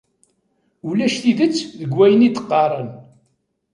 Ulac tidet deg wayen i d-qqaren.